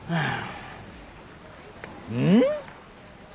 うん！？